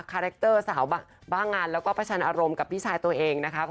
คาแรคเตอร์สาวบ้างานแล้วก็ประชันอารมณ์กับพี่ชายตัวเองนะคะ